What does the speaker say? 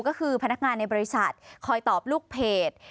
ก็คือพนักงานในบริษัทคอยตอบลูกเพจ